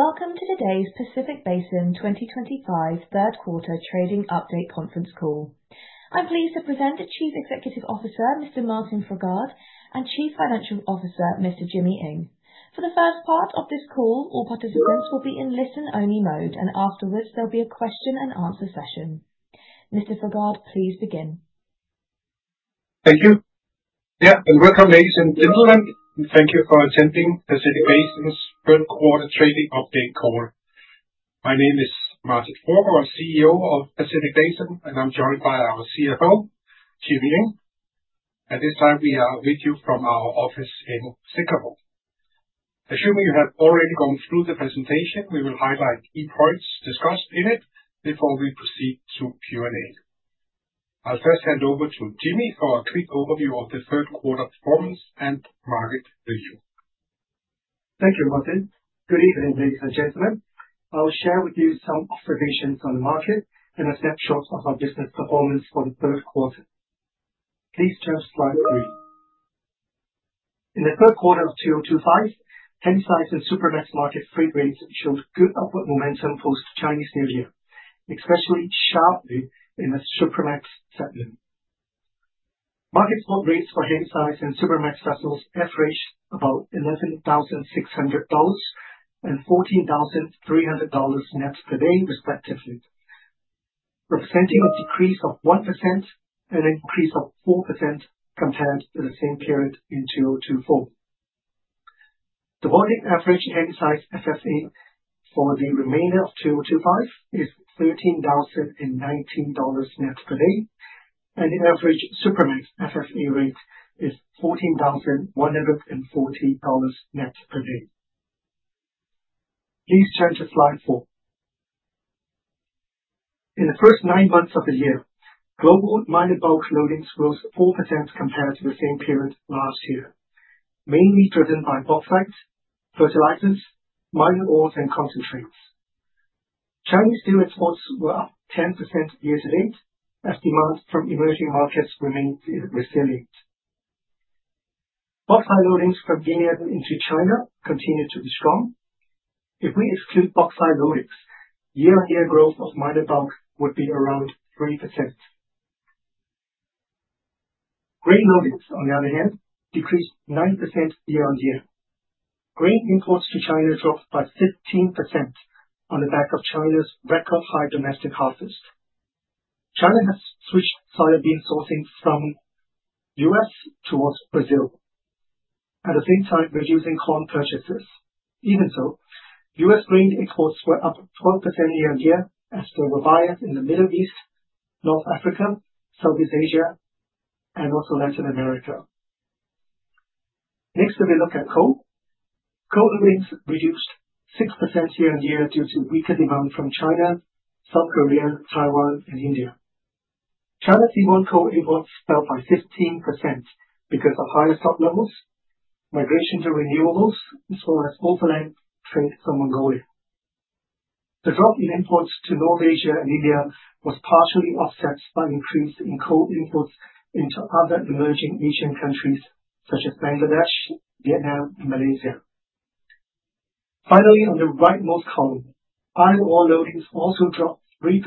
Welcome to today's Pacific Basin 2025 Third Quarter Trading Update Conference Call. I'm pleased to present the Chief Executive Officer, Mr. Martin Fruergaard, and Chief Financial Officer, Mr. Jimmy Ng. For the first part of this call, all participants will be in listen-only mode, and afterwards there'll be a question and answer session. Mr. Fruergaard, please begin. Thank you. Yeah, and welcome, ladies and gentlemen. Thank you for attending the Pacific Basin's Third Quarter Trading Update Call. My name is Martin Fruergaard, CEO of Pacific Basin, and I'm joined by our CFO, Jimmy Ng. At this time, we are with you from our office in Singapore. Assuming you have already gone through the presentation, we will highlight key points discussed in it before we proceed to Q&A. I'll first hand over to Jimmy for a quick overview of the third quarter performance and market review. Thank you, Martin. Good evening, ladies and gentlemen. I'll share with you some observations on the market and a snapshot of our business performance for the third quarter. Please turn to slide 3. In the third quarter of 2025, Handysize and Supramax market freight rates showed good upward momentum post-Chinese New Year, especially sharply in the Supramax segment. Market spot rates for Handysize and Supramax vessels averaged about $11,600 and $14,300 nets per day, respectively, representing a decrease of 1% and an increase of 4% compared to the same period in 2024. The volume average Handysize FFA for the remainder of 2025 is $13,019 nets per day, and the average Supramax FFA rate is $14,140 nets per day. Please turn to slide 4. In the first nine months of the year, global minor bulk loadings rose 4% compared to the same period last year, mainly driven by bauxite, fertilizers, mineral ores, and concentrates. Chinese steel exports were up 10% year to date as demand from emerging markets remained resilient. Bauxite loadings from India into China continued to be strong. If we exclude bauxite loadings, year-on-year growth of minor bulk would be around 3%. Grain loadings, on the other hand, decreased 9% year-on-year. Grain imports to China dropped by 15% on the back of China's record high domestic harvest. China has switched soybean sourcing from the U.S. towards Brazil, at the same time reducing corn purchases. Even so, U.S. grain exports were up 12% year-on-year as they were higher in the Middle East, North Africa, Southeast Asia, and also Latin America. Next, if we look at coal, coal loadings reduced 6% year-on-year due to weaker demand from China, South Korea, Taiwan, and India. China's seaborne coal imports fell by 15% because of higher stock levels, migration to renewables, as well as overland trade from Mongolia. The drop in imports to North Asia and India was partially offset by an increase in coal imports into other emerging Asian countries such as Bangladesh, Vietnam, and Malaysia. Finally, on the rightmost column, iron ore loading also dropped 3%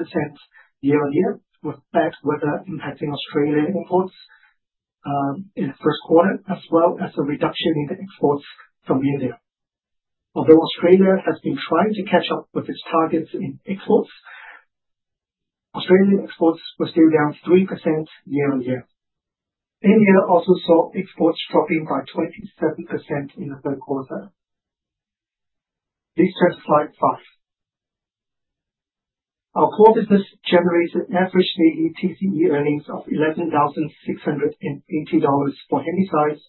year-on-year, with bad weather impacting Australian imports in the first quarter, as well as a reduction in the exports from India. Although Australia has been trying to catch up with its targets in exports, Australian exports were still down 3% year-on-year. India also saw exports dropping by 27% in the third quarter. Please turn to slide 5. Our core business generated average TCE earnings of $11,680 for Handysize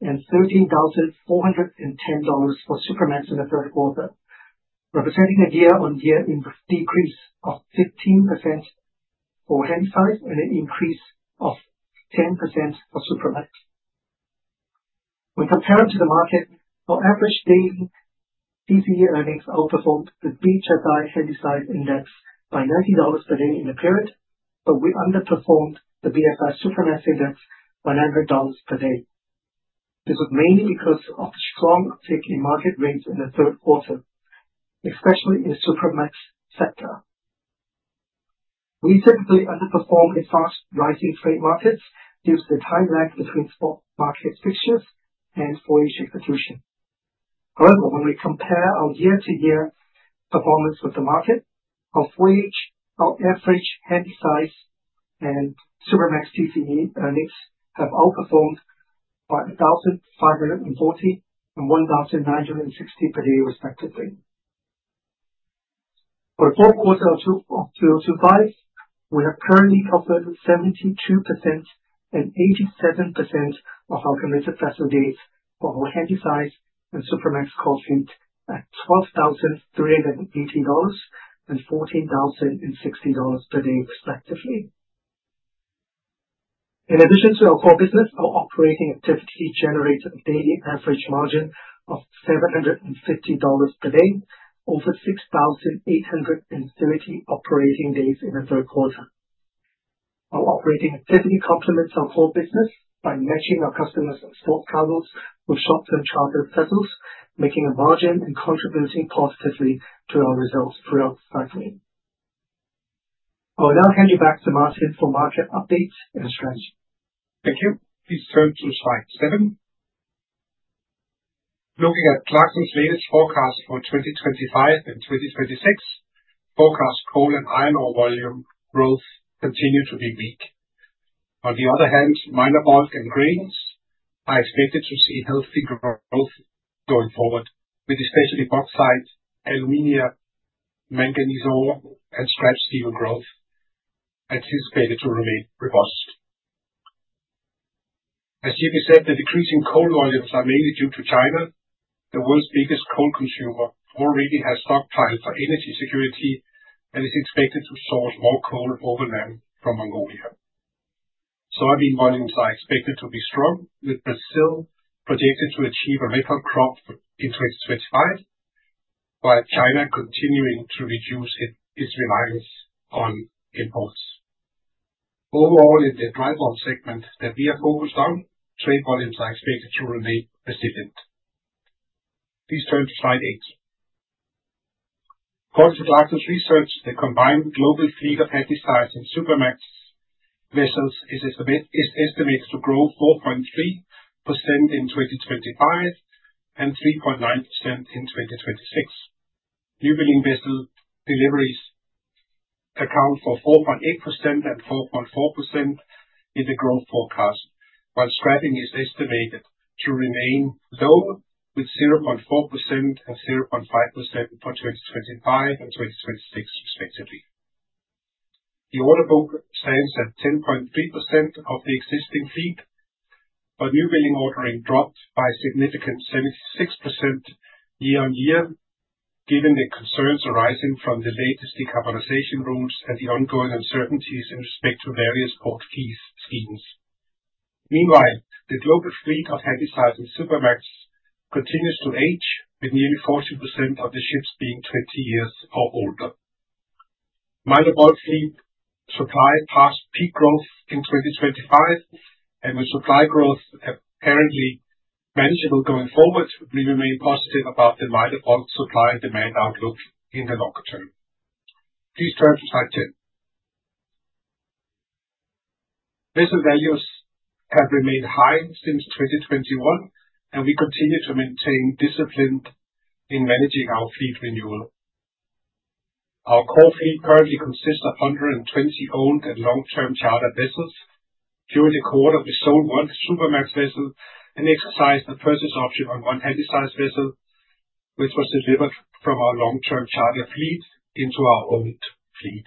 and $13,410 for Supramax in the third quarter, representing a year-on-year decrease of 15% for Handysize and an increase of 10% for Supramax. When compared to the market, our average daily TCE earnings outperformed the BHSI Handysize index by $90 per day in the period, but we underperformed the BSI Supramax index by $900 per day. This was mainly because of the strong uptick in market rates in the third quarter, especially in the Supramax sector. We typically underperform in fast-rising trade markets due to the time lag between spot market fixtures and voyage execution. However, when we compare our year-to-year performance with the market, our voyage, our average Handysize and Supramax TCE earnings have outperformed by $1,540 and $1,960 per day, respectively. For the fourth quarter of 2025, we have currently covered 72% and 87% of our committed facilities for our Handysize and Supramax costs at $12,380 and $14,060 per day, respectively. In addition to our core business, our operating activity generated a daily average margin of $750 per day over 6,830 operating days in the third quarter. Our operating activity complements our core business by matching our customers' spot cargoes with short-term chartered vessels, making a margin and contributing positively to our results throughout the cycle. I will now hand you back to Martin for market updates and strategy. Thank you. Please turn to slide 7. Looking at Clarksons latest forecast for 2025 and 2026, forecast coal and iron ore volume growth continued to be weak. On the other hand, minor bulk and grains are expected to see healthy growth going forward, with especially bauxite, aluminum, manganese ore, and scrap steel growth anticipated to remain robust. As Jimmy said, the decreasing coal volumes are mainly due to China. The world's biggest coal consumer already has stockpiled for energy security and is expected to source more coal overland from Mongolia. Soybean volumes are expected to be strong, with Brazil projected to achieve a record crop in 2025, while China continuing to reduce its reliance on imports. Overall, in the dry bulk segment that we are focused on, trade volumes are expected to remain resilient. Please turn to slide 8. According to Clarksons research, the combined global fleet of Handysize and Supramax vessels is estimated to grow 4.3% in 2025 and 3.9% in 2026. Newbuilding vessel deliveries account for 4.8% and 4.4% in the growth forecast, while scrapping is estimated to remain low, with 0.4% and 0.5% for 2025 and 2026, respectively. The order book stands at 10.3% of the existing fleet, but newbuilding ordering dropped by a significant 76% year-on-year, given the concerns arising from the latest decarbonization rules and the ongoing uncertainties in respect to various port fees schemes. Meanwhile, the global fleet of Handysize and Supramax continues to age, with nearly 40% of the ships being 20 years or older. Minor bulk fleet supply passed peak growth in 2025, and with supply growth apparently manageable going forward, we remain positive about the minor bulk supply and demand outlook in the longer term. Please turn to slide 10. Vessel values have remained high since 2021, and we continue to maintain discipline in managing our fleet renewal. Our core fleet currently consists of 120 owned and long-term chartered vessels. During the quarter, we sold one Supramax vessel and exercised the purchase option on one Handysize vessel, which was delivered from our long-term chartered fleet into our owned fleet.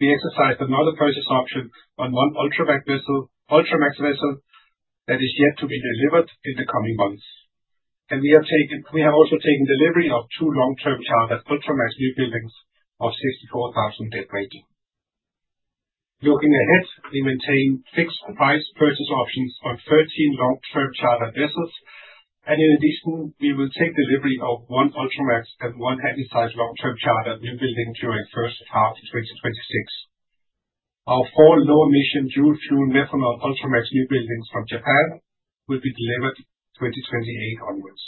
We exercised another purchase option on one Ultramax vessel that is yet to be delivered in the coming months, and we have also taken delivery of two long-term chartered Ultramax newbuildings of 64,000 deadweight. Looking ahead, we maintain fixed price purchase options on 13 long-term chartered vessels, and in addition, we will take delivery of one Ultramax and one Handysize long-term chartered newbuilding during the first half of 2026. Our four low-emission dual-fuel methanol Ultramax newbuildings from Japan will be delivered 2028 onwards.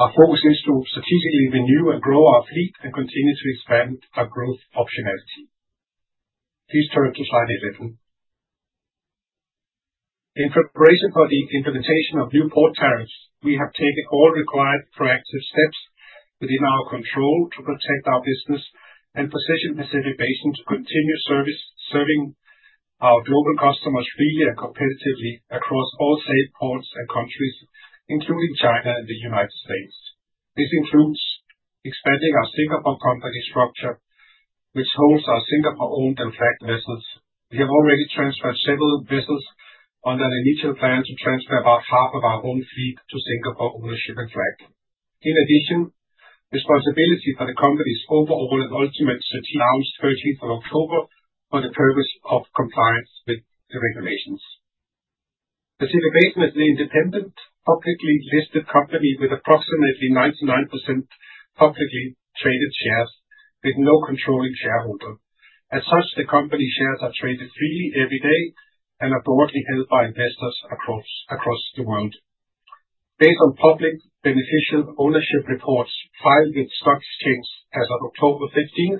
Our focus is to strategically renew and grow our fleet and continue to expand our growth optionality. Please turn to slide 11. In preparation for the implementation of new port tariffs, we have taken all required proactive steps within our control to protect our business and position Pacific Basin to continue serving our global customers freely and competitively across all safe ports and countries, including China and the United States. This includes expanding our Singapore company structure, which holds our Singapore-owned and flagged vessels. We have already transferred several vessels under the mutual plan to transfer about half of our own fleet to Singapore ownership and flag. In addition, responsibility for the company's overall and ultimate strategy is announced on the 13th of October for the purpose of compliance with the regulations. Pacific Basin is an independent, publicly listed company with approximately 99% publicly traded shares, with no controlling shareholder. As such, the company's shares are traded freely every day and are broadly held by investors across the world. Based on public beneficial ownership reports filed with the stock exchange as of October 15,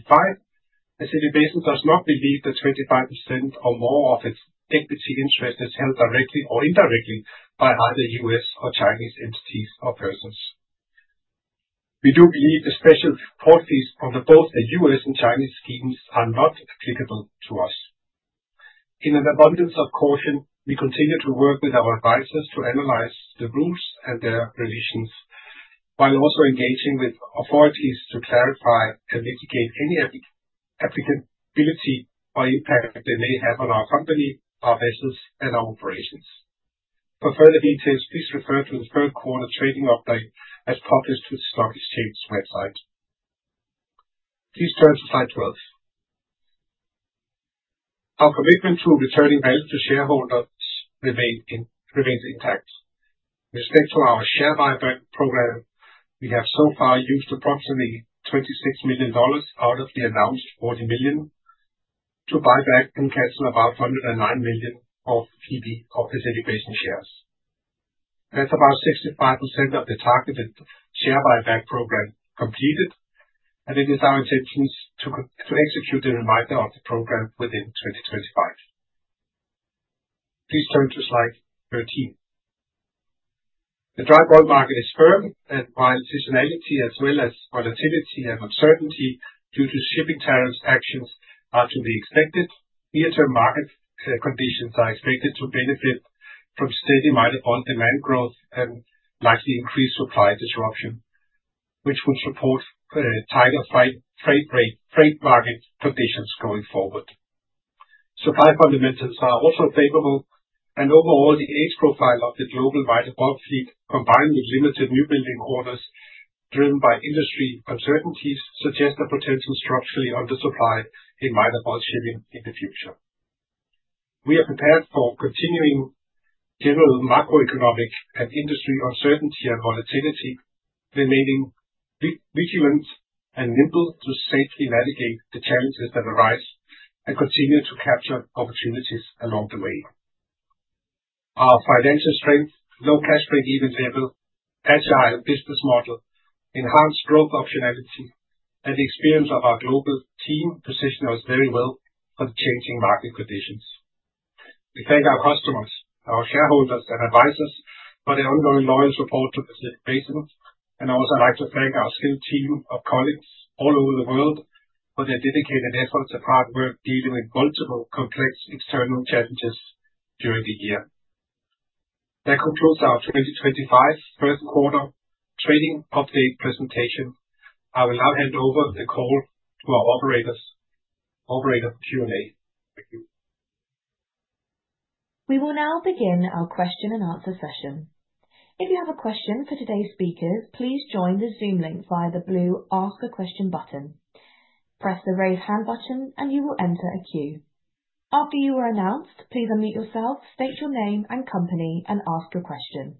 2025, Pacific Basin does not believe that 25% or more of its equity interest is held directly or indirectly by either U.S. or Chinese entities or persons. We do believe the special port fees under both the U.S. and Chinese schemes are not applicable to us. In an abundance of caution, we continue to work with our advisors to analyze the rules and their revisions, while also engaging with authorities to clarify and mitigate any applicability or impact they may have on our company, our vessels, and our operations. For further details, please refer to the Third Quarter Trading Update as published with the stock exchange website. Please turn to slide 12. Our commitment to returning value to shareholders remains intact. With respect to our share buyback program, we have so far used approximately $26 million out of the announced $40 million to buy back and cancel about $109 million of Pacific Basin shares. That's about 65% of the targeted share buyback program completed, and it is our intention to execute the remainder of the program within 2025. Please turn to slide 13. The Dry Bulk Market is firm, and while seasonality, as well as volatility and uncertainty due to shipping tariffs actions are to be expected, near-term market conditions are expected to benefit from steady Minor Bulk demand growth and likely increased supply disruption, which would support tighter trade market conditions going forward. Supply fundamentals are also favorable, and overall, the age profile of the global minor bulk fleet, combined with limited new building orders driven by industry uncertainties, suggests a potential structurally undersupply in minor bulk shipping in the future. We are prepared for continuing general macroeconomic and industry uncertainty and volatility, remaining vigilant and nimble to safely navigate the challenges that arise and continue to capture opportunities along the way. Our financial strength, low cash break-even level, agile business model, enhanced growth optionality, and the experience of our global team position us very well for the changing market conditions. We thank our customers, our shareholders, and advisors for their ongoing loyal support to Pacific Basin, and I would also like to thank our skilled team of colleagues all over the world for their dedicated efforts and hard work dealing with multiple complex external challenges during the year. That concludes our 2025 third quarter trading update presentation. I will now hand over the call to our operator for Q&A. Thank you. We will now begin our question and answer session. If you have a question for today's speakers, please join the Zoom link via the blue Ask a Question button. Press the raise Hand button, and you will enter a queue. After you are announced, please unmute yourself, state your name and company, and ask your question.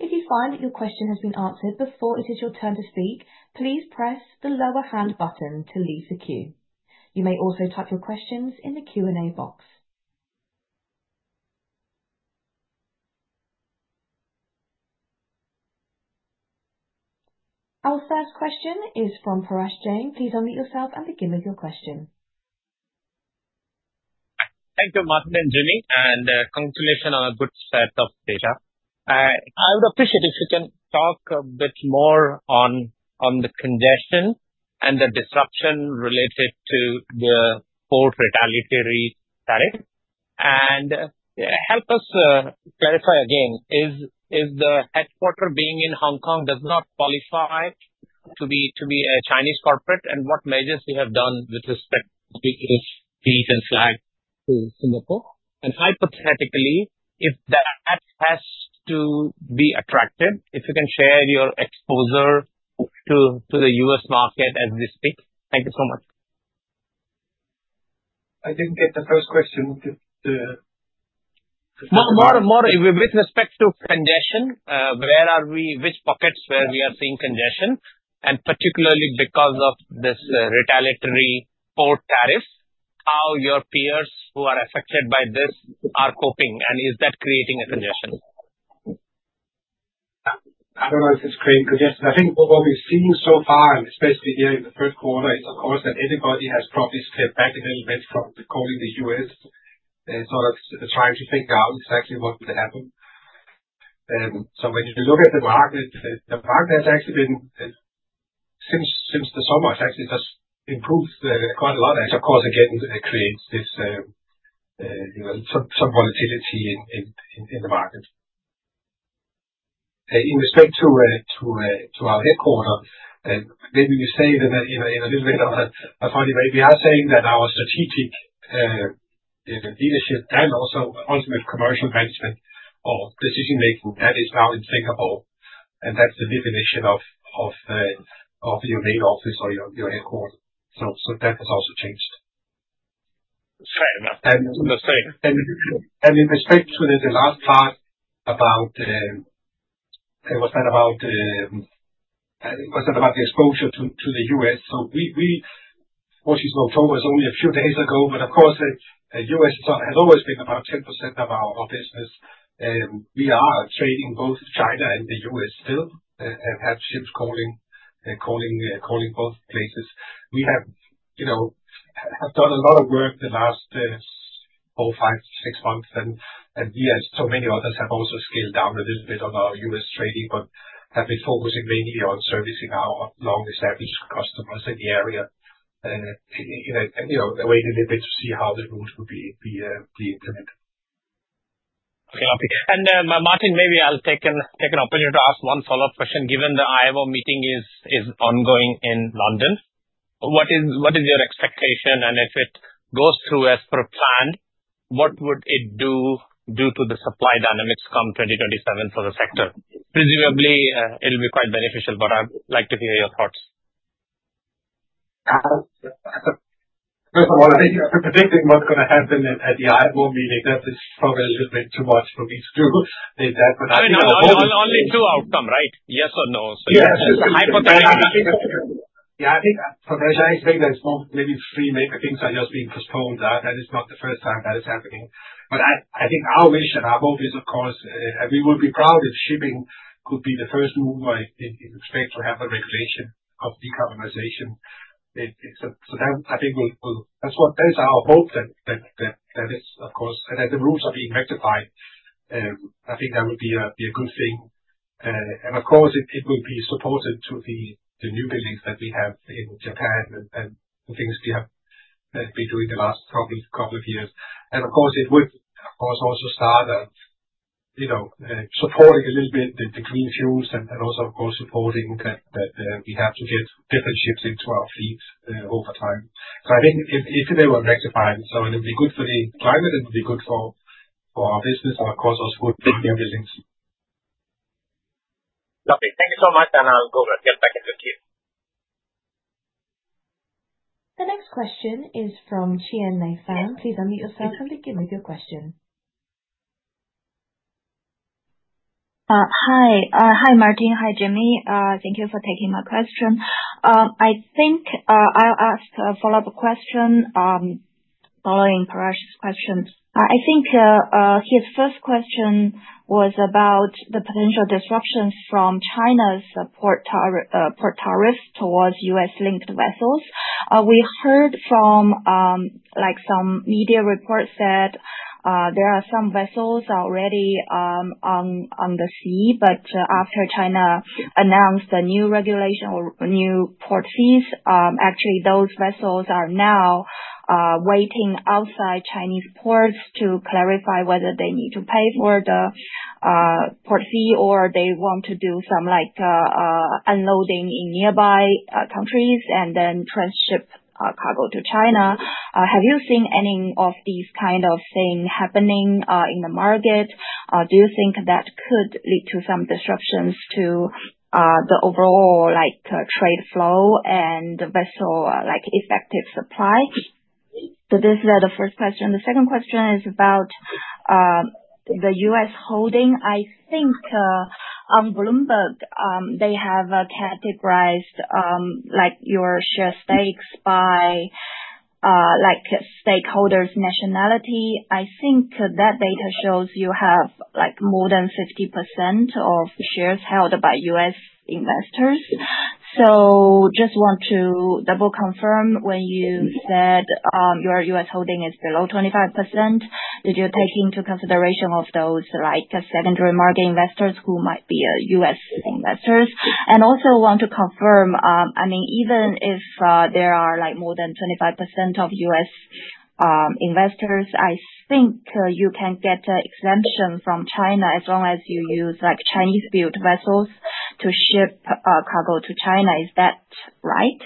If you find that your question has been answered before it is your turn to speak, please press the lower hand button to leave the queue. You may also type your questions in the Q&A box. Our first question is from Paresh Jain. Please unmute yourself and begin with your question. Thank you, Martin and Jimmy, and congratulations on a good set of data. I would appreciate it if you can talk a bit more on the congestion and the disruption related to the port retaliatory tariff, and help us clarify again, is the headquarters being in Hong Kong does not qualify to be a Chinese corporate, and what measures you have done with respect to fleet and flag to Singapore? And hypothetically, if that has to be attractive, if you can share your exposure to the US market as we speak. Thank you so much. I didn't get the first question. With respect to congestion, where are we, which pockets where we are seeing congestion, and particularly because of this retaliatory port tariff, how your peers who are affected by this are coping, and is that creating a congestion? I don't know if it's creating congestion. I think what we've seen so far, and especially here in the third quarter, is, of course, that everybody has probably stepped back a little bit from calling the U.S., sort of trying to figure out exactly what would happen. So when you look at the market, the market has actually been, since the summer, it's actually just improved quite a lot. Of course, again, it creates some volatility in the market. In respect to our headquarters, maybe we say in a little bit of a funny way, we are saying that our strategic leadership and also ultimate commercial management or decision-making, that is now in Singapore, and that's the definition of your main office or your headquarters. So that has also changed, and in respect to the last part about, was that about the exposure to the U.S.? So of course, it's October, it's only a few days ago, but of course, the U.S. has always been about 10% of our business. We are trading both China and the U.S. still, and have ships calling both places. We have done a lot of work the last four, five, six months, and we, as so many others, have also scaled down a little bit on our U.S. trading, but have been focusing mainly on servicing our long-established customers in the area. And we're waiting a little bit to see how the rules will be implemented. Okay, lovely. And Martin, maybe I'll take an opportunity to ask one follow-up question. Given the IMO meeting is ongoing in London, what is your expectation, and if it goes through as per planned, what would it do to the supply dynamics come 2027 for the sector? Presumably, it'll be quite beneficial, but I'd like to hear your thoughts. First of all, I think predicting what's going to happen at the IMO meeting, that's probably a little bit too much for me to do. Only two outcomes, right? Yes or no? Yes. Hypothetically. Yeah, I think from a Chinese perspective, there's maybe three things that are just being postponed. That is not the first time that is happening, but I think our mission, our hope is, of course, we will be proud if shipping could be the first move in respect to have a regulation of decarbonization, so I think that's our hope that is, of course, that the rules are being rectified. I think that would be a good thing, and of course, it will be supportive to the new buildings that we have in Japan and the things we have been doing the last couple of years, and of course, it would, of course, also start supporting a little bit the green fuels and also, of course, supporting that we have to get different ships into our fleet over time. So I think if they were rectified, so it would be good for the climate, it would be good for our business, and of course, also for new buildings. Lovely. Thank you so much, and I'll go back into the queue. The next question is from Qianlei Fan. Please unmute yourself and begin with your question. Hi. Hi, Martin. Hi, Jimmy. Thank you for taking my question. I think I'll ask a follow-up question following Paresh's question. I think his first question was about the potential disruptions from China's port tariffs towards U.S.-linked vessels. We heard from some media reports that there are some vessels already on the sea, but after China announced the new regulation or new port fees, actually, those vessels are now waiting outside Chinese ports to clarify whether they need to pay for the port fee or they want to do some unloading in nearby countries and then transship cargo to China. Have you seen any of these kinds of things happening in the market? Do you think that could lead to some disruptions to the overall trade flow and vessel effective supply? So this is the first question. The second question is about the U.S. holding. I think on Bloomberg, they have categorized your share stakes by stakeholders' nationality. I think that data shows you have more than 50% of shares held by U.S. investors. So just want to double confirm when you said your U.S. holding is below 25%, did you take into consideration those secondary market investors who might be U.S. investors? And also want to confirm, I mean, even if there are more than 25% of U.S. investors, I think you can get an exemption from China as long as you use Chinese-built vessels to ship cargo to China. Is that right?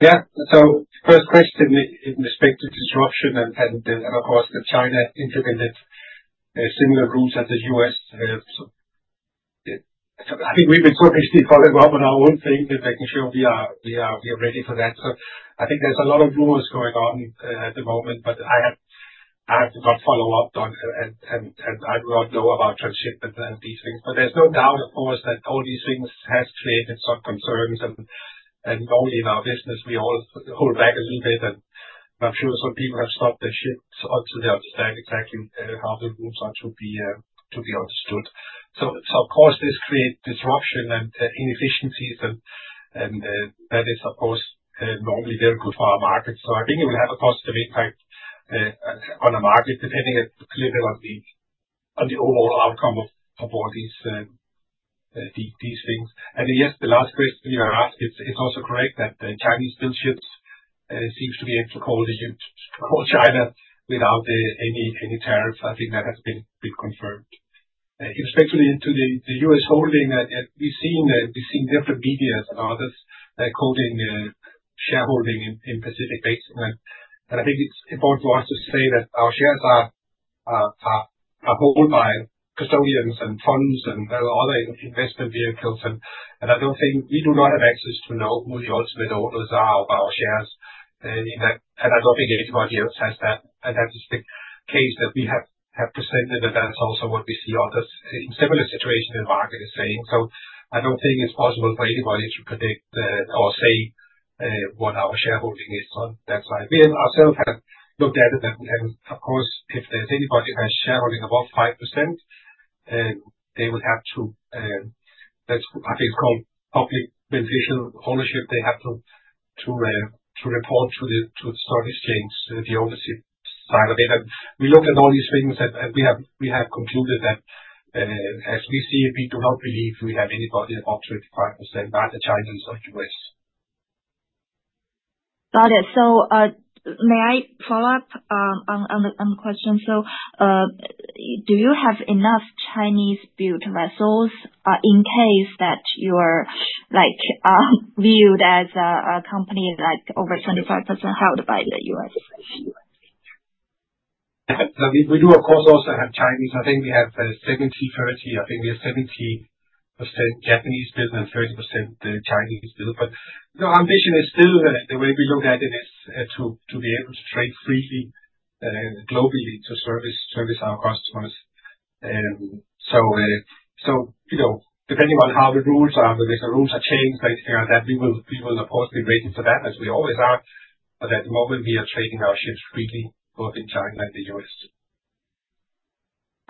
Yeah. So first question in respect to disruption and, of course, that China implemented similar rules as the U.S. So I think we've been talking to you quite a lot on our own thing and making sure we are ready for that. So I think there's a lot of rumors going on at the moment, but I have not followed up on and I do not know about transshipment and these things. But there's no doubt, of course, that all these things have created some concerns, and knowing our business, we all hold back a little bit. And I'm sure some people have stopped their ship so they understand exactly how the rules are to be understood. So of course, this creates disruption and inefficiencies, and that is, of course, normally very good for our market. So I think it will have a positive impact on the market, depending a little bit on the overall outcome of all these things. And yes, the last question you asked, it's also correct that Chinese-built ships seem to be able to call China without any tariffs. I think that has been confirmed. In respect to the U.S. holding, we've seen different media and others quoting shareholding in Pacific Basin. And I think it's important for us to say that our shares are held by custodians and funds and other investment vehicles. And I don't think we do not have access to know who the ultimate owners are of our shares. And I don't think anybody else has that. And that is the case that we have presented, and that's also what we see others in similar situations in the market are saying. So I don't think it's possible for anybody to predict or say what our shareholding is on that side. We ourselves have looked at it, and of course, if there's anybody who has shareholding above 5%, they would have to, I think it's called public beneficial ownership, they have to report to the stock exchange, the overseas side of it. And we looked at all these things, and we have concluded that as we see, we do not believe we have anybody above 25% either Chinese or US. Got it. So may I follow up on the question? So do you have enough Chinese-built vessels in case that you're viewed as a company over 25% held by the U.S.? We do, of course, also have Chinese. I think we have 70%-30%. I think we have 70% Japanese-built and 30% Chinese-built. But our ambition is still, the way we look at it, is to be able to trade freely globally to service our customers. So depending on how the rules are, whether the rules are changed or anything like that, we will, of course, be waiting for that, as we always are. But at the moment, we are trading our ships freely both in China and the U.S.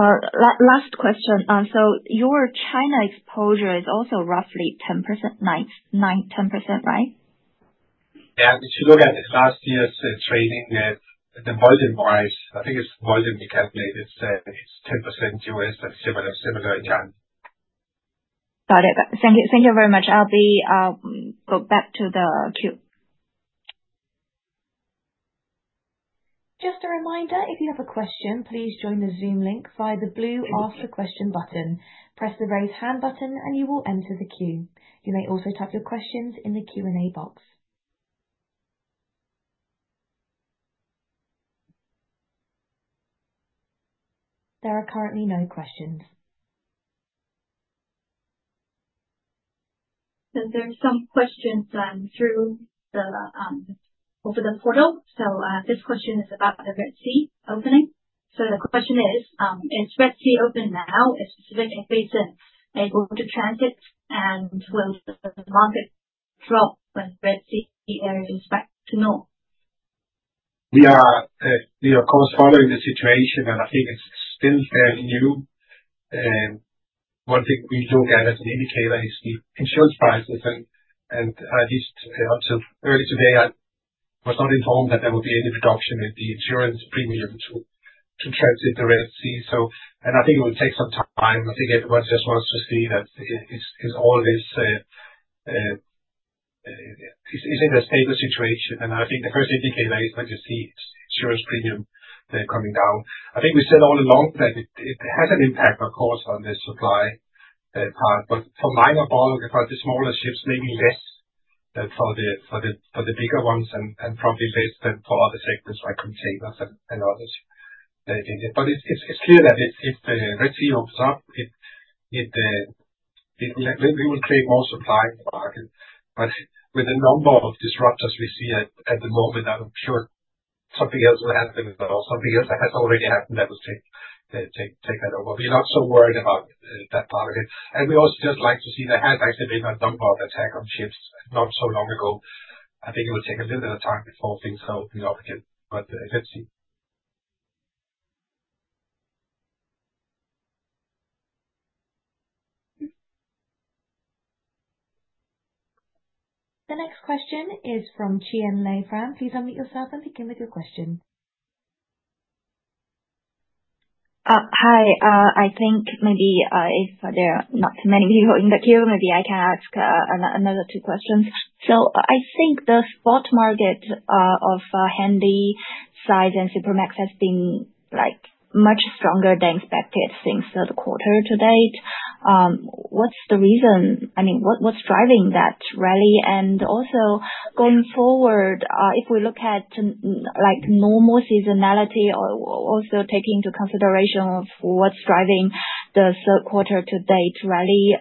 Last question. So your China exposure is also roughly 10%, 9%, 10%, right? Yeah. If you look at last year's trading, the volume-wise, I think it's volume we calculated, it's 10% U.S. and similar in China. Got it. Thank you very much. I'll go back to the queue. Just a reminder, if you have a question, please join the Zoom link via the blue Ask a Question button. Press the raise hand button, and you will enter the queue. You may also type your questions in the Q&A box. There are currently no questions. There's some questions through the portal. So this question is about the Red Sea opening. So the question is, Is Red Sea open now? Is Pacific Basin able to transit, and will the market drop when Red Sea area is back to normal? We are, of course, following the situation, and I think it's still fairly new. One thing we look at as an indicator is the insurance prices. And at least up till early today, I was not informed that there would be any reduction in the insurance premium to transit the Red Sea. And I think it will take some time. I think everyone just wants to see that is all this, is it a stable situation? And I think the first indicator is when you see insurance premium coming down. I think we said all along that it has an impact, of course, on the supply part, but for minor bulk, for the smaller ships, maybe less than for the bigger ones and probably less than for other segments like containers and others. But it's clear that if the Red Sea opens up, we will create more supply in the market. But with the number of disruptors we see at the moment, I'm sure something else will happen, or something else that has already happened that will take that over. We're not so worried about that part of it. And we also just like to see there has actually been a number of attacks on ships not so long ago. I think it will take a little bit of time before things open up again, but let's see. The next question is from Qianlei Fan. Please unmute yourself and begin with your question. Hi. I think maybe if there are not too many people in the queue, maybe I can ask another two questions. So I think the spot market of Handysize and Supramax has been much stronger than expected since the quarter to date. What's the reason? I mean, what's driving that rally? And also going forward, if we look at normal seasonality or also taking into consideration of what's driving the third quarter to date rally,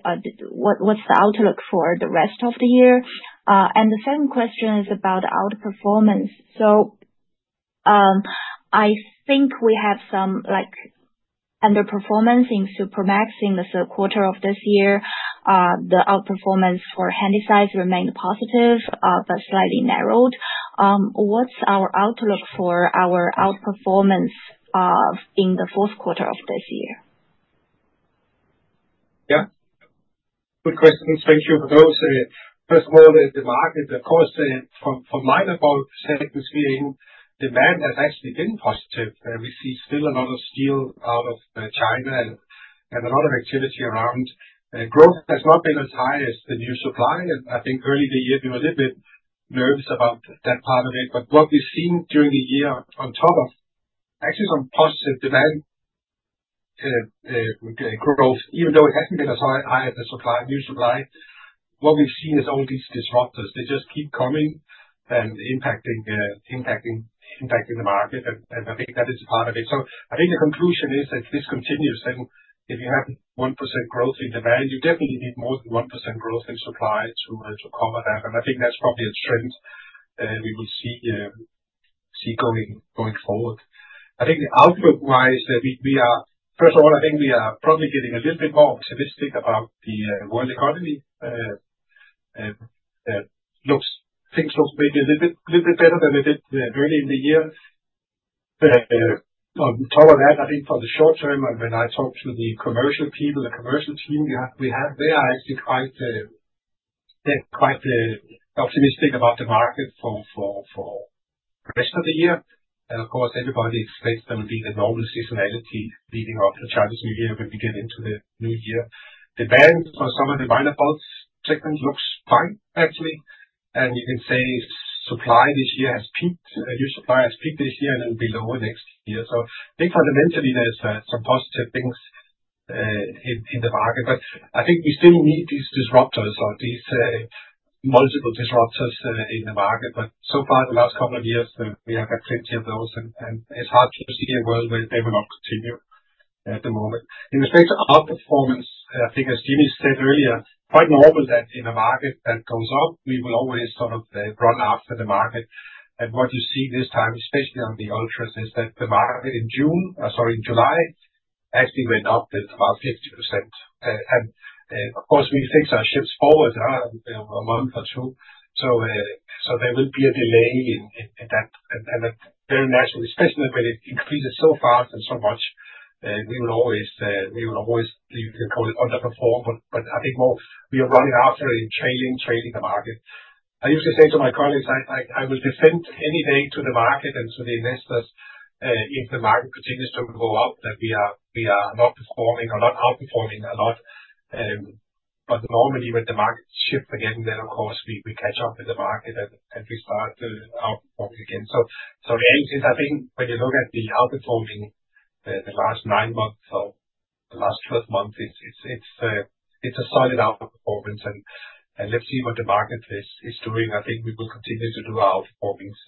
what's the outlook for the rest of the year? And the second question is about outperformance. So I think we have some underperformance in Supramax in the third quarter of this year. The outperformance for Handysize remained positive but slightly narrowed. What's our outlook for our outperformance in the fourth quarter of this year? Yeah. Good questions. Thank you for those. First of all, the market, of course, from my Baltic perspective, demand has actually been positive. We see still a lot of steel out of China and a lot of activity around. Growth has not been as high as the new supply, and I think early in the year, we were a little bit nervous about that part of it, but what we've seen during the year, on top of actually some positive demand growth, even though it hasn't been as high as the new supply, what we've seen is all these disruptors. They just keep coming and impacting the market, and I think that is a part of it, so I think the conclusion is that if this continues, then if you have 1% growth in demand, you definitely need more than 1% growth in supply to cover that. And I think that's probably a trend we will see going forward. I think outlook-wise, first of all, I think we are probably getting a little bit more optimistic about the world economy. Things look maybe a little bit better than they did early in the year. On top of that, I think for the short term, when I talk to the commercial people, the commercial team, we have been actually quite optimistic about the market for the rest of the year. And of course, everybody expects there will be the normal seasonality leading up to the Chinese New Year when we get into the new year. Demand for some of the minor bulks segments looks fine, actually. And you can say supply this year has peaked, new supply has peaked this year, and it will be lower next year. So I think fundamentally, there's some positive things in the market. But I think we still need these disruptors or these multiple disruptors in the market. But so far, the last couple of years, we have had plenty of those. And it's hard to see a world where they will not continue at the moment. In respect to outperformance, I think, as Jimmy said earlier, quite normal that in a market that goes up, we will always sort of run after the market. And what you see this time, especially on the ultras, is that the market in June, sorry, in July actually went up about 50%. And of course, we fix our ships forward a month or two. So there will be a delay in that. And very naturally, especially when it increases so fast and so much, we will always be underperform. But I think we are running after it and trailing the market. I usually say to my colleagues, I will defend any day to the market and to the investors if the market continues to go up, that we are not performing or not outperforming a lot. But normally, when the market shifts again, then, of course, we catch up with the market and we start outperforming again. So the end is, I think, when you look at the outperforming the last nine months or the last 12 months, it's a solid outperformance. And let's see what the market is doing. I think we will continue to do outperformance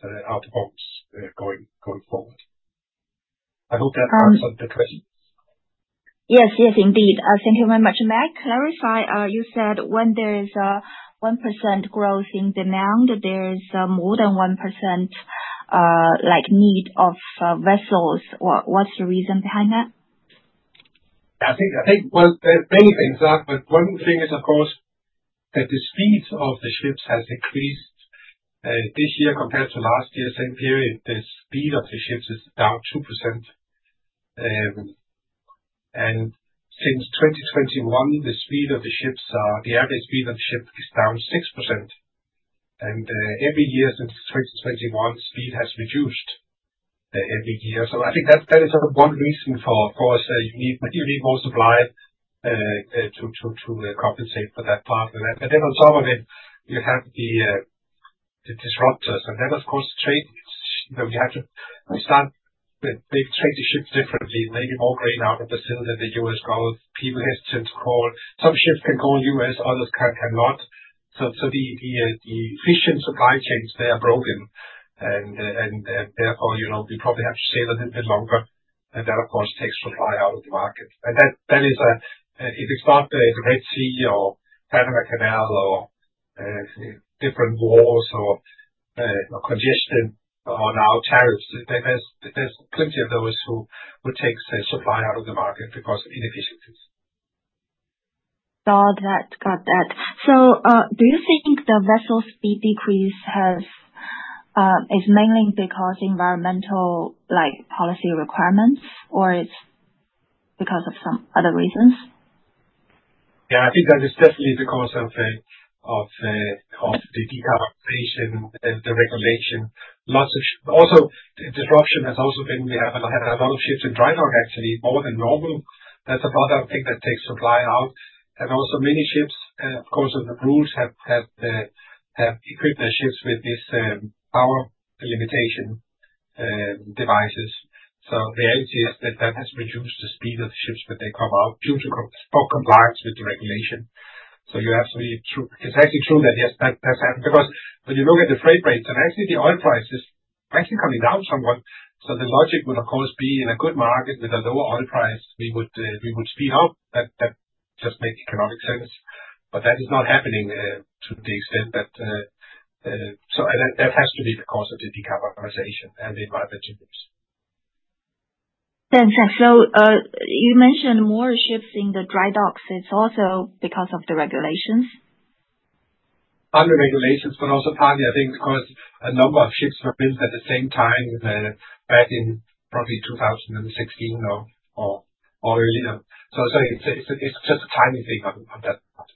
going forward. I hope that answered the question. Yes, yes, indeed. Thank you very much. May I clarify? You said when there is a 1% growth in demand, there is more than 1% need of vessels. What's the reason behind that? I think, well, many things, but one thing is, of course, that the speed of the ships has increased this year compared to last year, same period, the speed of the ships is down 2%, and since 2021, the speed of the ships, the average speed of the ship is down 6%, and every year since 2021, speed has reduced every year, so I think that is one reason for us that you need more supply to compensate for that part, and then on top of it, you have the disruptors, and then, of course, trade, you have to start maybe trade the ships differently, maybe more grain out of Brazil than the U.S. goes. People hesitate to call. Some ships can call U.S., others cannot, so the efficient supply chains, they are broken, and therefore, we probably have to sail a little bit longer. And that, of course, takes supply out of the market. And if it's not the Red Sea or Panama Canal or different wars or congestion or now tariffs, there's plenty of those who take supply out of the market because of inefficiencies. Got that. Got that. So do you think the vessel speed decrease is mainly because of environmental policy requirements, or it's because of some other reasons? Yeah, I think that is definitely because of the decarbonization and the regulation. Also, disruption has also been we have a lot of ships in drydock, actually, more than normal. That's a broader thing that takes supply out, and also many ships, of course, the rules have equipped their ships with these power limitation devices. So the reality is that that has reduced the speed of the ships when they come out due to compliance with the regulation, so it's actually true that, yes, that's happened because when you look at the freight rates, and actually the oil price is actually coming down somewhat, so the logic would, of course, be in a good market with a lower oil price, we would speed up. That just makes economic sense. But that is not happening to the extent that so that has to be because of the decarbonization and the environmental rules. Fantastic. So you mentioned more ships in the drydocks. It's also because of the regulations? Under regulations, but also partly, I think, because a number of ships were built at the same time back in probably 2016 or earlier, so it's just a tiny thing on that part.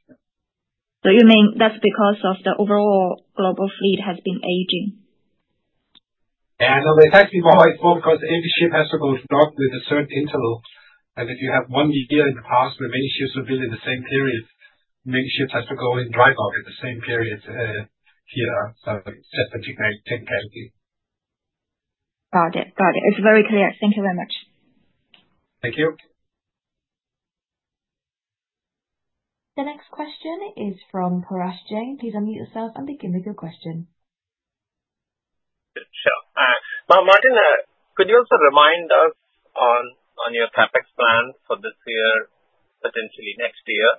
So you mean that's because of the overall global fleet has been aging? Yeah. No, it's actually more because every ship has to go to dock with a certain interval. And if you have one year in the past where many ships were built in the same period, many ships have to go in dry dock at the same period here. So it's just a technicality. Got it. Got it. It's very clear. Thank you very much. Thank you. The next question is from Paresh Jain. Please unmute yourself and begin with your question. Sure. Martin, could you also remind us on your CapEx plan for this year, potentially next year,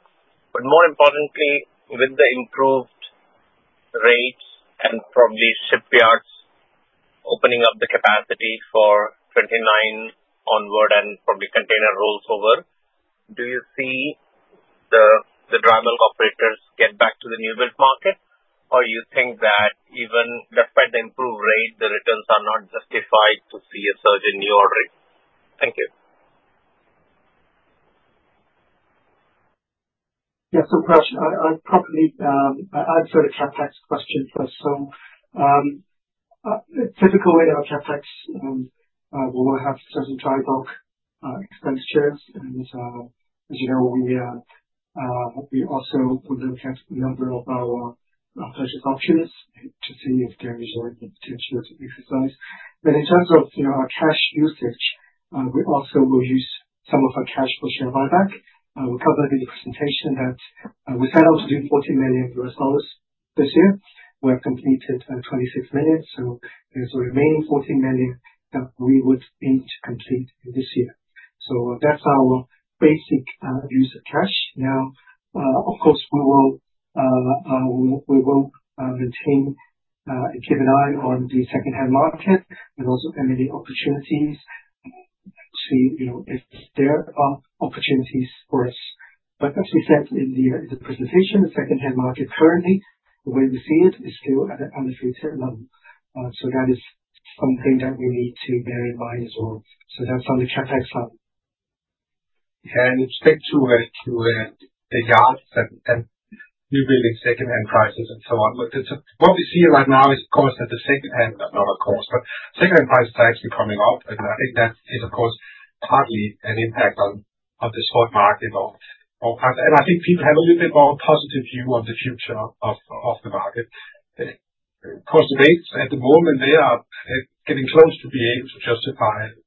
but more importantly, with the improved rates and probably shipyards opening up the capacity for 2029 onward and probably container roll-overs, do you see the dry bulk operators get back to the new build market? Or do you think that even despite the improved rate, the returns are not justified to see a surge in new ordering? Thank you. Yeah, so Paresh, I'd probably answer the CapEx question first. So typically, our CapEx will have certain dry bulk expenditures. And as you know, we also will look at a number of our purchase options to see if there is any potential to exercise. But in terms of our cash usage, we also will use some of our cash for share buyback. We covered in the presentation that we set out to do $40 million this year. We have completed $26 million. So there's a remaining $40 million that we would need to complete this year. So that's our basic use of cash. Now, of course, we will maintain and keep an eye on the second-hand market and also any opportunities to see if there are opportunities for us. But as we said in the presentation, the second-hand market currently, the way we see it, is still at an elevated level. So that is something that we need to bear in mind as well. So that's on the CapEx side. Yeah. And it's back to the yards and new buildings, second-hand prices and so on. But what we see right now is, of course, that the second-hand—not of course, but second-hand prices are actually coming up. And I think that is, of course, partly an impact on the spot market. And I think people have a little bit more positive view on the future of the market. Of course, the rates at the moment, they are getting close to being able to justify buying a second-hand ship.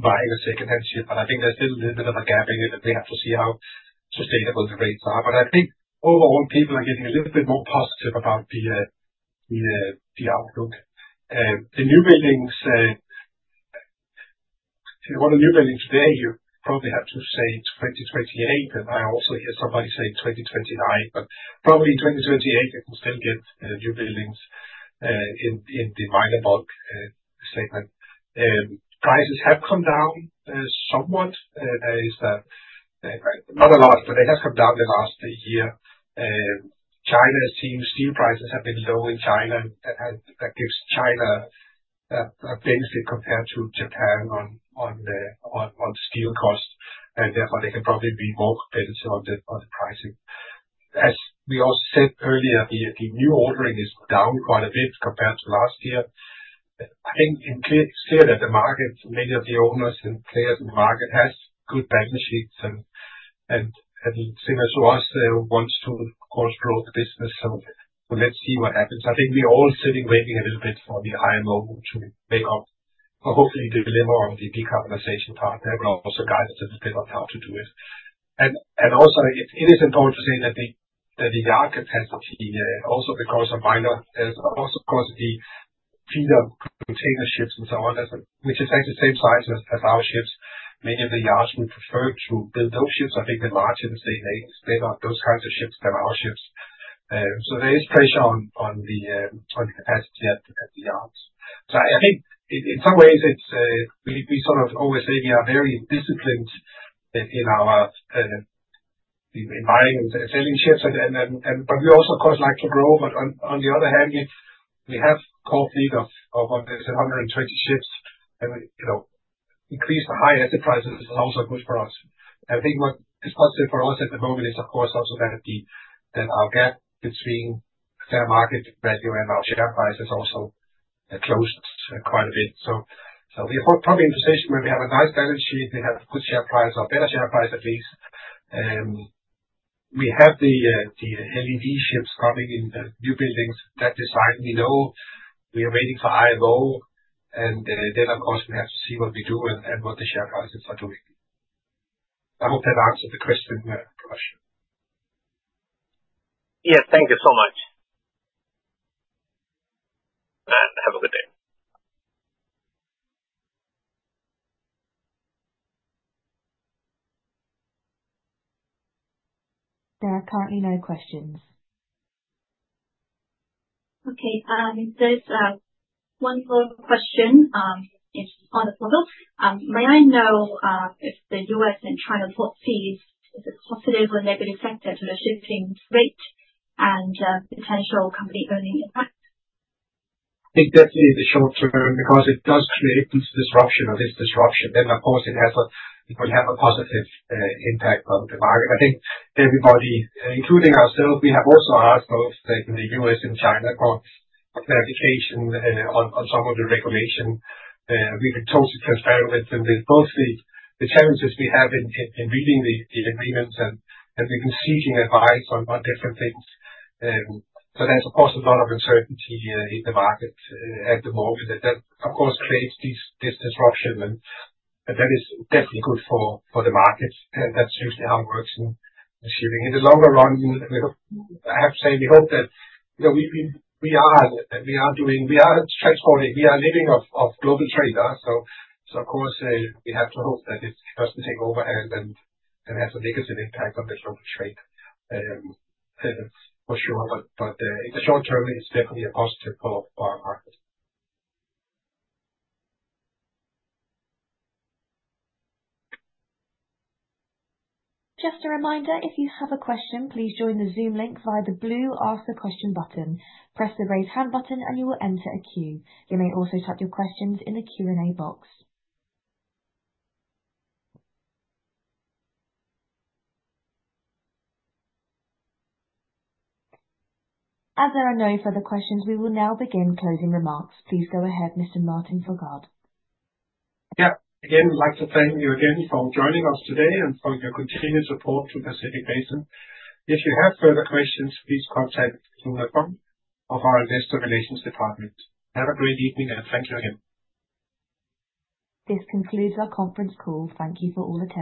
But I think there's still a little bit of a gap in it, and we have to see how sustainable the rates are. But I think overall, people are getting a little bit more positive about the outlook. The new buildings, if you want a new building today, you probably have to say 2028. And I also hear somebody saying 2029. But probably in 2028, you can still get new buildings in the minor bulk segment. Prices have come down somewhat. That is not a lot, but they have come down the last year. China's steel prices have been low in China, and that gives China a benefit compared to Japan on the steel cost. And therefore, they can probably be more competitive on the pricing. As we also said earlier, the new ordering is down quite a bit compared to last year. I think it's clear that the market, many of the owners and players in the market, have good balance sheets. And similar to us, they want to, of course, grow the business. So let's see what happens. I think we're all sitting waiting a little bit for the IMO to make up, hopefully, the dilemma on the decarbonization part. That will also guide us a little bit on how to do it, and also, it is important to say that the yard capacity, also because of minor, also because of the feeder container ships and so on, which is actually the same size as our ships, many of the yards would prefer to build those ships. I think the margins are still better on those kinds of ships than our ships, so there is pressure on the capacity at the yards. So I think in some ways, we sort of always say we are very disciplined in our environment and selling ships, but we also, of course, like to grow. But on the other hand, we have a core fleet of, what is it, 120 ships. And increased the high asset prices is also good for us. And I think what is positive for us at the moment is, of course, also that our gap between fair market value and our share price has also closed quite a bit. So we are probably in a position where we have a nice balance sheet. We have good share price or better share price, at least. We have the LED ships coming in new buildings that design. We know we are waiting for IMO. And then, of course, we have to see what we do and what the share prices are doing. I hope that answered the question, Paresh. Yes, thank you so much. And have a good day. There are currently no questions. Okay. There's one more question. It's on the portal. May I know if the U.S. and China port fees, is it positive or negative factor to the shipping rate and potential company-only impact? I think definitely in the short term because it does create this disruption or this disruption. Then, of course, it will have a positive impact on the market. I think everybody, including ourselves, we have also asked both in the U.S. and China for clarification on some of the regulation. We've been totally transparent with both the challenges we have in reading the agreements and we've been seeking advice on different things. So there's, of course, a lot of uncertainty in the market at the moment. And that, of course, creates this disruption. And that is definitely good for the market. That's usually how it works in shipping. In the longer run, I have to say we hope that we are transporting. We are living off global trade. So of course, we have to hope that it doesn't take overhang and has a negative impact on the global trade, for sure. But in the short term, it's definitely a positive for our market. Just a reminder, if you have a question, please join the Zoom link via the blue Ask a Question button. Press the raise hand button, and you will enter a queue. You may also type your questions in the Q&A box. As there are no further questions, we will now begin closing remarks. Please go ahead, Mr. Martin Fruergaard. Yeah. Again, I'd like to thank you again for joining us today and for your continued support to the Pacific Basin. If you have further questions, please contact the IR team of our Investor Relations Department. Have a great evening, and thank you again. This concludes our conference call. Thank you for all of.